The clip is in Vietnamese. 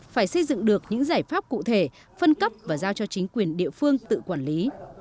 phải xây dựng được những giải pháp cụ thể phân cấp và giao cho chính quyền địa phương tự quản lý